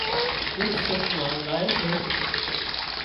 ڏُک سُک مان زائي سي